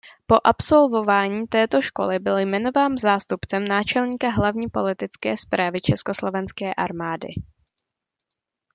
Po absolvování této školy byl jmenován zástupcem náčelníka Hlavní politické správy Československé armády.